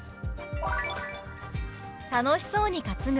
「楽しそうに担ぐ」。